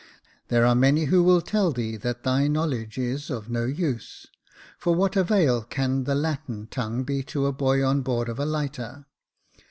There are many who will tell thee that thy knowledge is of no use, for what avail can the Latin tongue be to a boy on board of a lighter